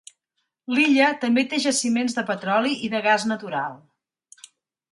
L'illa també té jaciments de petroli i de gas natural.